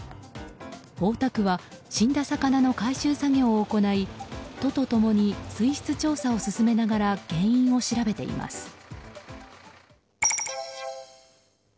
大田区は死んだ魚の回収作業を行い都と共に水質調査を進めながら原因を調べています。